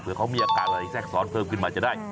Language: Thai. เพื่อเขามีอาการอะไรแทรกซ้อนเพิ่มขึ้นมาจะได้